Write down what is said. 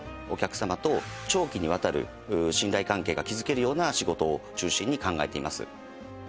お客様と長期にわたる信頼関係が築けるような仕事を中心に考えています。